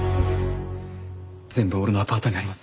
全部俺のアパートにあります。